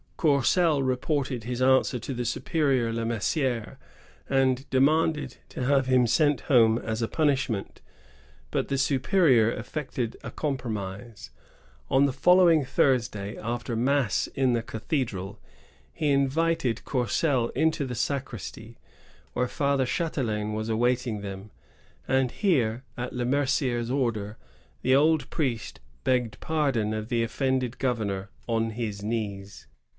Courcelle reported his answer to the superior, Le Mercier, and demanded to have him sent home as a punishment; but the superior effected a compromise. On the following Thursday, after mass in the cathe dral, he invited Courcelle into the sacristy, where Father Ch&telain was awaiting them; and here, at Le Mercier's order, the old priest begged pardon of the offended governor on his knees.